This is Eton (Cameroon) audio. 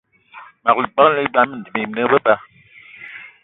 Me gbelé idam bininga be ba.